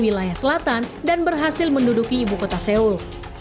wilayah selatan dan berhasil menduduki ibu kota seoul